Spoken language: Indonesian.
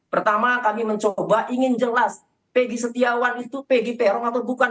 pertama kami mencoba ingin jelas pg setiawan itu pgpr atau bukan